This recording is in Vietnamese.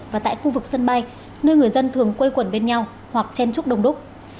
và tại khu vực sân bay nơi người dân thường quây quần bên nhau hoặc chen trúc đồng đúc